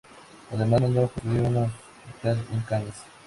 Además mandó construir un hospital en Cañas.